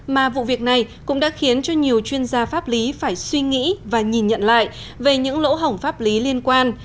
mà vụ việc này cũng đã khiến cho nhiều chuyên gia pháp lý phải suy nghĩ và nhìn nhận lại về những lỗ hổng pháp lý liên quan